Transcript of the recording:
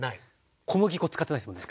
小麦粉使ってないですもんね。